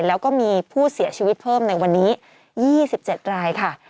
แล้วก็มีผู้เสียชีวิตเพิ่มในวันนี้๒๗รายค่ะ